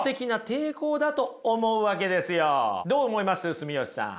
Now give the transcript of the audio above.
住吉さん。